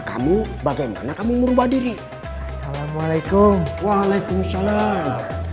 kamu bagaimana kamu merubah diri assalamualaikum waalaikumsalam